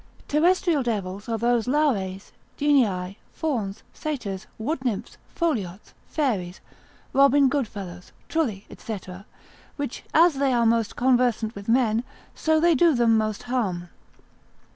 Terrestrial devils are those Lares, genii, fauns, satyrs, wood nymphs, foliots, fairies, Robin Goodfellows, trulli, &c., which as they are most conversant with men, so they do them most harm.